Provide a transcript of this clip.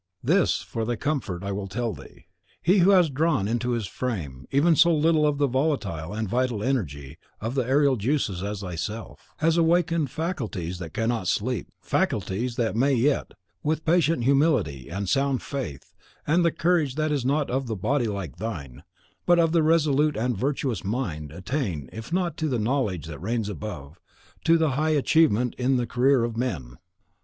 This, for thy comfort, will I tell thee: he who has drawn into his frame even so little of the volatile and vital energy of the aerial juices as thyself, has awakened faculties that cannot sleep, faculties that may yet, with patient humility, with sound faith, and the courage that is not of the body like thine, but of the resolute and virtuous mind, attain, if not to the knowledge that reigns above, to high achievement in the career of men.